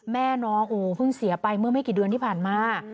แม่น้องโอ้เพิ่งเสียไปเมื่อไม่กี่เดือนที่ผ่านมา